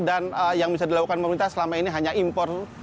dan yang bisa dilakukan pemerintah selama ini hanya impor